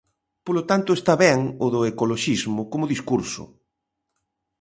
Polo tanto, está ben o do ecoloxismo como discurso.